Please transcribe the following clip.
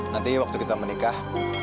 nanti waktu kita menikah